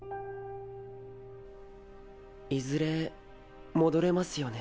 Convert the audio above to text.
いずれ戻れますよね